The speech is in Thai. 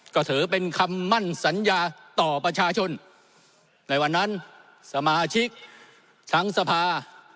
ก็ถือเป็นคำมั่นสัญญาต่อประชาชนในวันนั้นสมาชิกทั้งสภา